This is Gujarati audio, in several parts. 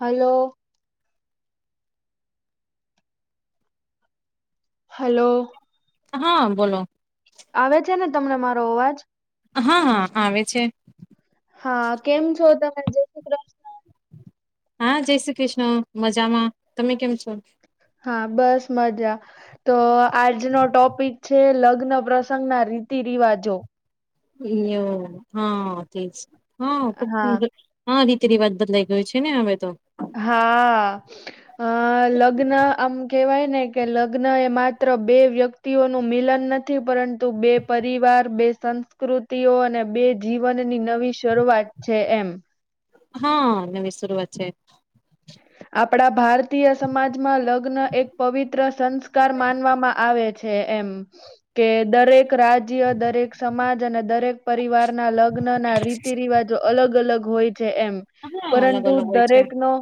હલો હલો હા બોલો આવે છે ને તમને મારો અવાજ? હા હા આવે છે. હા કેમ છો તમે જય શ્રી કૃષ્ણ હા જય શ્રી કૃષ્ણ મજામાં તમે કેમ છો હા બસ મજા. તો આજનો ટોપિક છે લગ્ન પ્રશન સંગના રીતિ રિવાજો એવ હા તે જ હા ખબ હા [unintelligible] હા રીતિ રિવાજ બદલાઈ ગયો છે ને હવે તો. હા અ લગ્ન આમ કેવાય ને કે લગ્ન એ માત્ર બે વ્યક્તિ નું મિલન નથી પરંતુ બે પરિવાર, બે સંસ્કૃતિઓ અને બે જીવનની નવી શરૂઆત છે. એમ હા નવી શરૂઆત છે. આપણા ભારત ભારતીય સમાજમાં લગ્ન એક પવિત્ર સંસ્કાર માનવામાં આવે છે. એમ કે દરેક રાજ્ય દરેક સમાજ અને દરેક પરિવાર ના લગ્ન ના રીતિ રિવાજો અલગ- અલગ હોય છે એમ હા અલગ પરંતુ અલગ હોય છે દરેક નો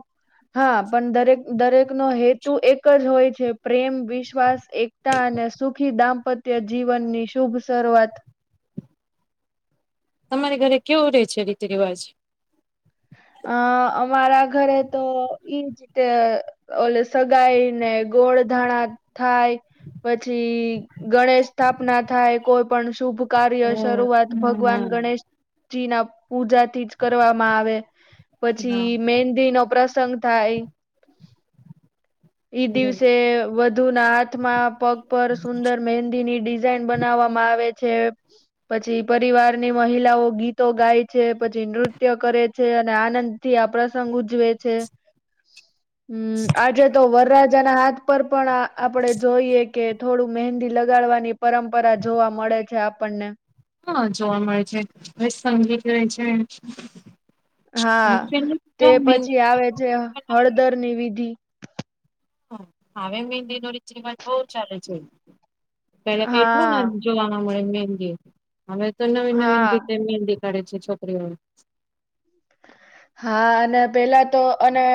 હા પણ દરેક દરેકનો હેતુ એક જ હોય છે. પ્રેમ, વિશ્વાસ, એકતા અને સુખી દાંપત્ય જીવનની શુભ શરૂઆત. તમારે ઘરે કેવું રહેે છે? રીતિ રિવાજ અ અમારા ઘરે તો ઈજ ત ઓલે સગાઈ ને ગોળ ધાણા થાય પછી ગણેશ સ્થાપના થાય કોઈ પણ શુભ કાર્ય હમ, શરૂઆત હા ભગવાન ગણેશ જી ના પૂજાથી જ કરવામાં આવે હા. પછી મેંદી નો પ્રસંગ થાય એઈ દિવસે વધ વધુ ના હાથમાં પગ પર સુંદર મહેંદી ની ડિઝાઇન બનાવવામાં આવે છે, પછી પરિવારની મહિલાઓ ગીતો ગાય છે પછી નૃત્ય કરે છે અને આનંદ થી આ પ્રસંગ ઉજવે છે, હમ આજે તો વરરાજાના હાથ પર પણ આપડે જોઈએ કે થોડું મહેંદી લગાડવાની પરંપરા જોવા મળે છે આપણને હા જોવા મળે છે સંગીત રહેે છે, હા તે પછી આવે છે હળદર ની વિધિ હા હવે મહેંદી નો રીત રિવાજ બહુ ચાલે છે, પેલા એટલું હા નથી જોવાના મળે મહેંદી હવે તો નવીન નવીન હા રીતે મહેંદી કાઢે છે, છોકરીઓ હા અને પેલા તો અને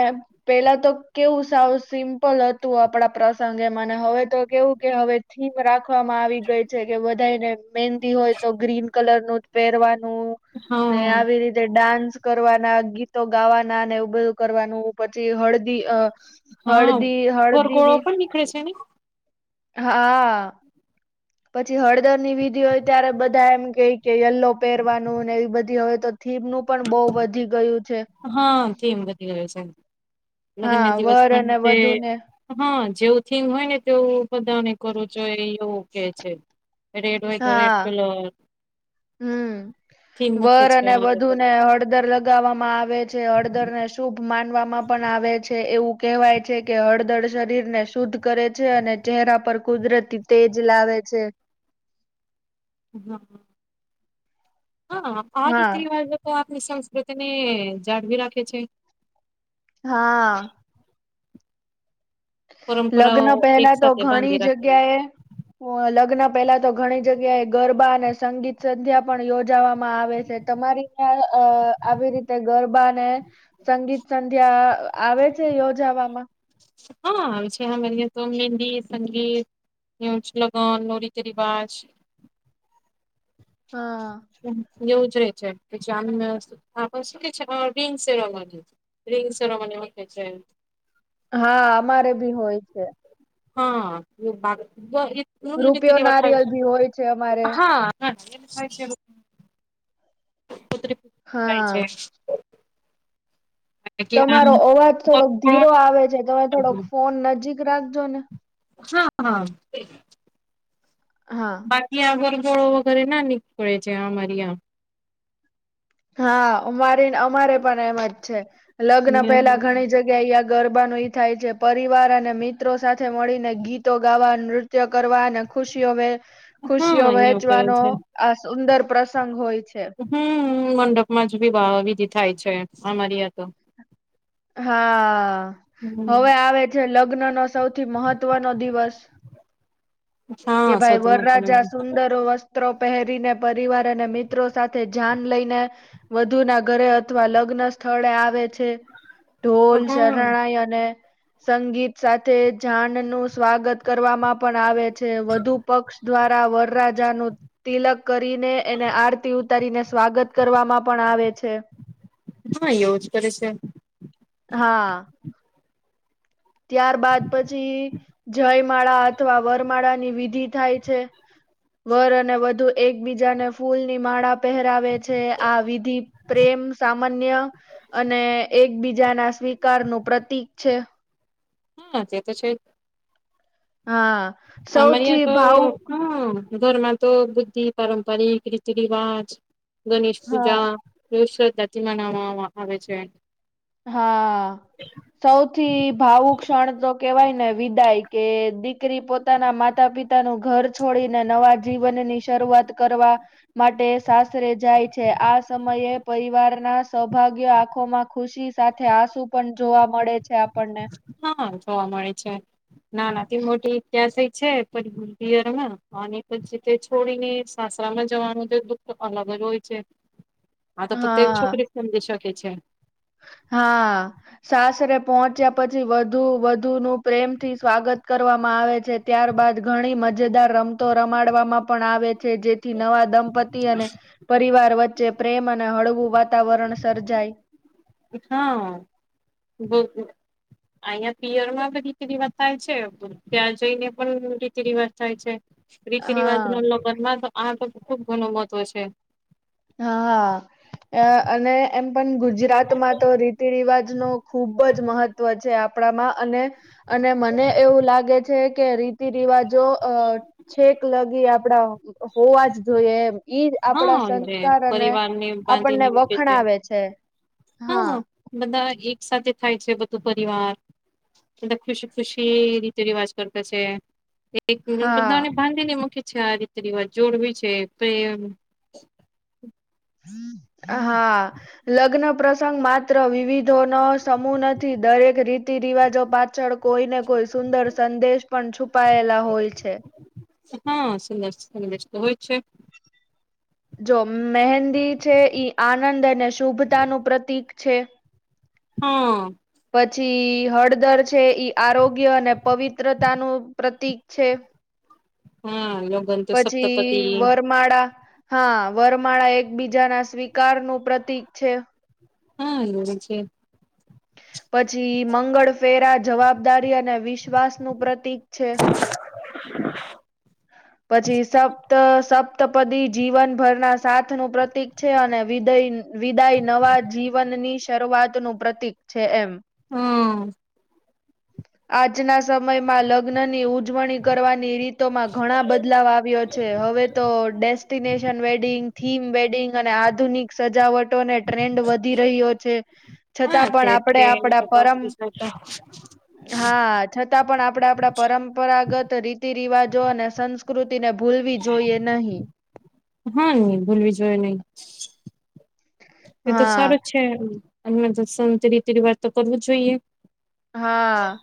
પેલા તો કેવું સાવું સિમ્પલ હતું આપણા પ્રસંગે મને હવે તો કેવું કે હવે થીમ રાખવામાં આવી ગઈ છે કે બધાને મહેંદી હોય તો ગ્રીન કલર નું જ પહેરવાનું ને હા આવી રીતે ડાન્સ કરવાના ગીતો ગાવાના ને બધું કરવાનું પછી હળદી અ હા હળદી હળદીની [unintelligible] હા પછી હળદર ની વિધિ હોય ત્યારે બધા એમ કે કે યલ્લો પહેરવાનું એવી બધી હોય તો થીમ નું પણ બહુ વધી ગયું છે, હા થીમ વધી ગયો છે લગ્ન હા ના દિવસ વર પણ અને જે વધુ ને હા જેવું થીંમ હોય ને તેવું બધાને કરું છો એવું કે છે, એ રેડ હોય તો એડ કલર થીમ હમ્મ મૂકે વર છે અને હવે વધુ તો ને હળદર લગ લગાવવામાં આવે છે, હળદર ને શુભ માનવામાં પણ આવે છે એવું કહેવાય છે કે હળદર શરીર ને શુદ્ધ કરે છે, અને ચહેરા પર કુદરતી તેજ લાવે છે, હા હ હા આ રીત હા રિવાજો તો આપણી સંસ્કૃતિ ને જાળવી રાખે છે, હા પરંપરાઓ લગ્ન એક પહેલા તો સાથે ઘણી બાંધી રાખે જગ્યાએ લગ્ન પહેલા તો ઘણી જગ્યાએ ગરબા અને સંગીત સંધ્યા પણ યોજાવામાં આવે છે, તમારી ત અ આવી રીતે ગરબાને સંગીત સંધ્યા આવે છે, યોજાવામાં હા આવે છે હલ્દી સંગીત ન્યુજ લગન રીતિ રિવાજ હા હમ્મ યુઝ રે છે કે જામીન આપ શું કે છે રીંગ સેવા છે, રિંગ સેરોમની રાખે છે, હા અમારે ભી હોય છે, રૂપિયો [unintelligible] નારિયેલ ભી હોય છે અમારે [unintelligible] પત્રિ હા છે કે આમ તમારો અવાજ થોડોક હા ધીરો આવે છે, તમે થોડોક ફોન નજીક રાખજો ને હા હા હા બાકી આગરગોળો વગેરે ના નીકળે છે અમારી આ હા અમારી અમારે પણ એમ જ છે લગ્ન પહેલા ઘણી જગ્યા ગરબાક નું ઈ થાય છે પરિવાર અને મિત્રો સાથે મળીને ગીતો ગાવા નૃત્ય કરવા અને ખુશીઓ હા ખુશીઓ અહિયાં કરે વહેચવાનો છે આ સુંદર પ્રસંગ હોય છે. હમ્મ મંડપ માં જ ભી વા વિધિ થાય છે અમારી આ તો હા હમ હવે આવે છે લગ્ન નો સૌથી મહત્વનો દિવસ કે હા ભાઈ સૌથી વરરાજા મહત્વનું સુંદરો વસ્ત સ્ત્રો પહેરીને પરિવાર અને મિત્રો સાથે જાન લઈને વધુ ના ઘરે અથવા લગ્ન સ્થળે આવે છે હા ઢોલ હા શરણાયન અને સંગીત સાથે જાન નું સ્વાગત કરવામાં પણ આવે છે. છે વધુ પક્ષ દ્વારા વરરાજા નુ તિલક કરીને એને આરતી ઉતારીને સ્વાગત કરવામાં પણ આવે છે. હા એવું જ કરે છે. હા ત્યાર બાદ પછી જયમાળા અથવા વરમાળા ની વિધિ થાય છે. વર અને વધુ એકબીજાને ફૂલની માળા પહેરાવે છે આ વિધિ પ્રેમ સામાન્ય અને એકબીજા ના સ્વીકાર નું પ્રતીક છે. હા તે તો છે જ હા અમારી સૌથી યાં તો ભાવુક હમ્મ ઘરમાં તો બુદ્ધિ પારંપરિક રીતિ રિવાજ ગણેશ હા પૂજા [unintelligible] થી મનાવવામાં આવે છે. હા સૌથી ભાવુક ક્ષણ તો કેવાય ને વિદાય કે દીકરી પોતે પોતાના માતા પિતાનુ ઘર છોડીને નવા જીવનની શરૂઆત કરવા માટે સાસરે જાય છે આ સમયે પરિવાર ના સૌભાગ્ય આંખોમાં ખુશી સાથે આંસુ પણ જોવા મળે છે આપણને. હા જોવા મળે છે. ના ના મોટી ઇતિહાસ છે પણ [unintelligible] ગુરપીયર માં અને પછી થોડીને સાસરામાં જવાનું છે દુઃખ અલગ જ હોય છે. [unintelligible] આ તો ફક્તે એજ હા, છોકરી સમજી શકે છે. હા. સાસરે પહોંચ્યા પછી વધુ વધુ નું પ્રેમથી સ્વાગત કરવામાં આવે છે. ત્યારબાદ ઘણી મજેદાર રમતો રમાડવામાં પણ આવે છે જેથી નવા દંપતી અને પરિવાર વચ્ચે જે પ્રેમ અને હળવું વાતાવરણ સર્જાય હા બિલકુલ. અયા પિયર માં પણ રીતી રિવાજ થાય છે તો ત્યાં જઈને પણ રીતિ રિવાજ થાય છે. રીતિ રિવાજ હા. નો લગ્નમાં તો આ તો ખુબ ઘણો મહત્વ છે. હા હા. અ અને એમ પણ ગુજરાતમાં તો રીતિ રિવાજ નો ખુબ જ મહત્વ ત્વ છે આપણામાં અને અને મને એવું લાગે છે કે રીતિ રિવાજો અ છેક લગી આપડા હોવા જ જોઈએ એમ ઈ આપડા હા સ જે અને પરિવારને આપણને બાંધીને મૂકે વખણાવે છે, હા. બધા એક સાથે થાય છે બધું પરિવાર બધા ખુશી ખુશી રીતિ રિવાજ કરતા છે એક હા બધાને બાંધી ને મૂકી છે આ રીતે રિવાજ જોડવી છે પ્રેમ હા. લગ્ન પ્રસંગ માત્ર વિવિધો નો સમૂહ નથી દરેક રીતિ રિવાજો પાછળ કોઈને કોઈ સુંદર સંદેશ પણ છુપાયેલા હોય છે. હા સુંદર સંદેશ તો હોય છે. જો મહેંદી છે ઈ આનંદ અને શુભતા નું પ્રતીક છે. હા. પછી હળદર છે ઈ આરોગ્ય અને પવિત્રતાનું પ્રતીક છે. હા. તો સપ્તપતિ પછી વરમાળા હા વરમાળા એક બીજા ના સ્વીકાર નું પ્રતિક છે. હા એવું છે. પછી મંગળ ફેરા જવાબદારી અને વિશ્વાસ નું પ્રતીક છે. પછી સબ. ત સપ્તપદી જીવનભરના સાથ નું પ્રતિક છે અને વિદઈ વિદાય નવા જીવનની શરૂઆત નું પ્રતિક છે એમ હમ્મ. આજના સમયમાં લગ્નની ઉ. ઉજવણી કરવાની રીતોમાં ઘણા બદલાવ આવ્યો છે હવે તો ડેસ્ટિનેશન વેડિંગ થીમ બેડિંગ અને આધુનિક સજાવટોને ટ્રેન્ડ વધી રહ્યો છે છતાં પણ આપણેે આપડા પરમ હ [inaudible] હા છતાં પણ આપડા આપડા પરંપરાગત રીતિ રિવાજો અને સંસ્ સંકૃતિ ને ભૂલવી જોઈએ નહીં હુ ભૂલવી જોએ નહી એ તો હા સારું છે. તેમ અમને તો સંત રીતિ રિવાજ તો કરવું જોઈએ. હા.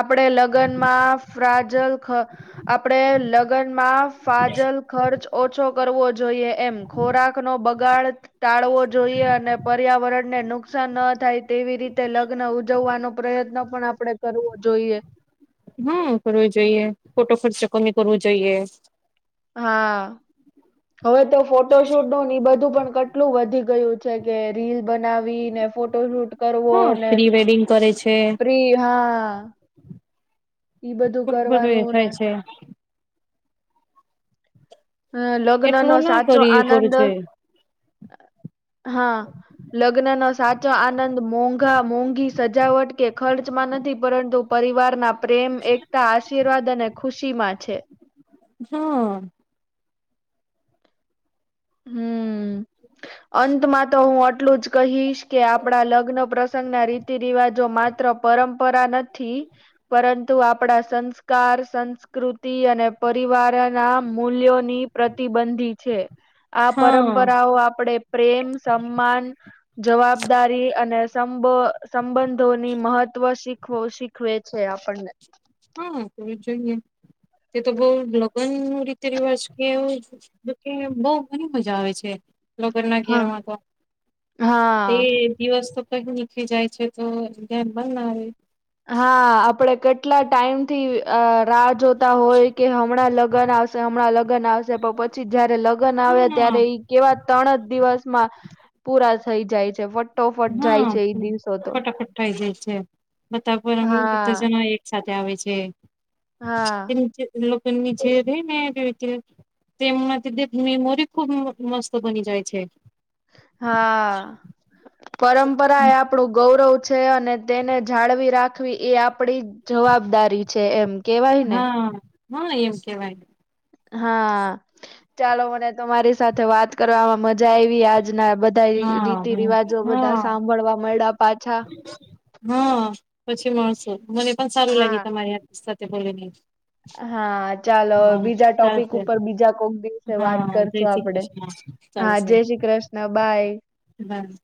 આપણે લગ્નમાં ફ્રાજલ ખ આપણેે લગ્નમાં ફાજલ ખર્ચ ઓછો કરવો જોઈએ એમ ખોરાક નો બગાડ ટાળવો જોઈએ અને પર્યાવરણને નુકસાન ન થાય તેવી રીતે લગ્ન ઉજવાનો પ્રયત્ન પણ આપડે કરવો જોઈએ. હા કરવું જોઈએ ખોટો ખર્ચો કમી કરવો જોઈએ. હા હવે તો ફોટો શૂટો એ બધું પણ કટ એટલું વધી ગયું છે કે રીલ બનાવી ને ફોટોશૂટ કરવો હા ને પ્રી વેડિંગ કરે છે પ્રિ હા ઈ ખુબ બધું એ કરવાનું ને થાય છે. અ લગ્ન નો એટલું ના સાચો કરી કરવું આનંદ જોઈએ હા. લગ્ન નો સાચો આનંદ મોંઘા મોંઘી સજાવટ કે ખર્ચમાં નથી પરંતુ પરિવાર ના પ્રેમ, એકતા, આશીર્વાદ અને ખુશી માં છે. હા. હમ અંતમાં તો હું આટલું જ કહીશ કે આપડા લગ્ન પ્રસંગ ના રીતિ રિવાજો માત્ર પરંપરા નથી પરંતુ આપડા સંસ્કાર, સંસ્કૃતિ અને પરિવારના મૂલ્યોની પ્રતિબંધી છે આ હા પરંપરાઓ આપડે પ્રેમ, સમ્માન જવાબદારી અને સંબ સંબંધોની મહત્વ શી ખ્વો શીખવે છે આપણને. હા [unintelligible] જોઈએ તે તો બહુ લગન નું રીતે રિવાજ કેવું જોકે અહીંયા બહુ ઘણી મજા આવે છે. લોકોના હા ઘેરવા તો તે હા દિવસ્ત તો કઈ નીકળી જાય છે તો ધ્યાન બ ના આવે. હા આપડે કેટલા ટાઈમ થી રાહ જોતા હોય કે હમણાં લગન આવશે હમણાં લગન આવશે પ પ છી જયારે લગન આવ્યા હા ત્યારે ઈ એવા તણ જ દિવસમાં પૂરા થઈ જાય છે. વટ ટોફટ જાય હા છે એ દિવસો તો. ફટાફટ થઈ જાય છે બતાર [unintelligible] બધા હા જણા એક સાથે આવે છે. હા એની જે લોકો નીચે રે નેરીતિ રી તેમમાંથી દેધ મેમોરી ખુબ મ મસ્ત બની જાય છે. હા પરંપરાએ આપ પડુ ગૌરવ છે અને તેને જાળવી રાખવી એ આપડી જવાબદારી છે એમ. કેવાય ને હા હા એમ કેવાય. હા ચાલો મને તમારી સાથે વાત કરવામાં મજા આયવી આજના બધ ધા રીતિ હા રિવાજો બધા હા સાંભળવા મયળા પાછા. હા પછી મળશું મને પણ સારું લાગે હા. તમારી હા સાથે બોલીને. હા ચાલો હા બીજા ટોપિક ચાલશે ઉપર બીજા કોક દિવસે વાત હા જય કરશું શ્રી આપડે. કૃષ્ણ હા ચાલશે જય શ્રી ક્રશ્ર્ન બાય. બાય.